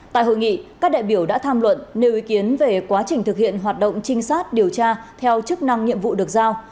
tại hội nghị các đại biểu đã tham luận nêu ý kiến về quá trình thực hiện hoạt động trinh sát điều tra theo chức năng nhiệm vụ được giao